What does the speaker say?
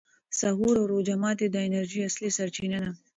سحور او روژه ماتي د انرژۍ اصلي سرچینه ده.